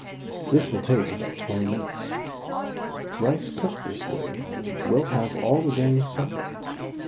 This will take about 20 minutes. Rice cooked this way will have all the grains separate.